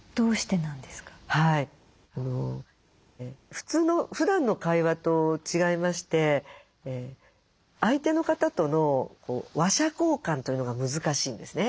普通のふだんの会話と違いまして相手の方との話者交換というのが難しいんですね。